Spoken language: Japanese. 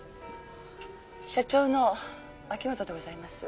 社長の秋本でございます。